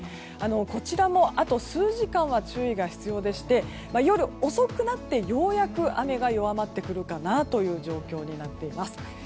こちらもあと数時間は注意が必要でして夜遅くなってようやく雨が弱まってくるかなという状況になっています。